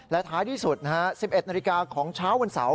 และท้ายที่สุด๑๑นาฬิกาของเช้าวันเสาร์